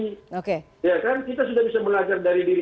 ya kan kita sudah bisa belajar dari diri